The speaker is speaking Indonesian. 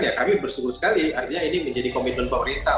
ya kami bersyukur sekali artinya ini menjadi komitmen pemerintah